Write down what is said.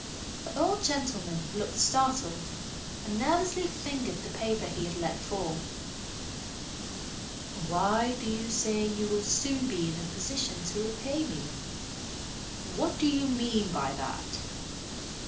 The old gentleman looked startled and nervously fingered the paper he had let fall. "Why do you say you will soon be in a position to repay me? What do you mean by that?"